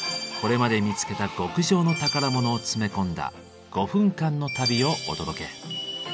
これまで見つけた極上の宝物を詰め込んだ５分間の旅をお届け。